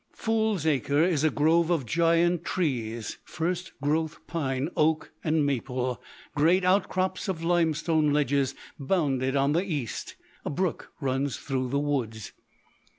Fool's Acre is a grove of giant trees—first growth pine, oak, and maple. Great outcrops of limestone ledges bound it on the east. A brook runs through the woods.